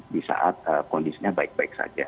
di saat kondisinya baik baik saja